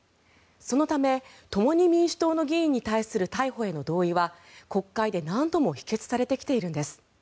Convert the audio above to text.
そのため、共に民主党の議員に対する逮捕への同意は国会で何度も否決されてきているんです。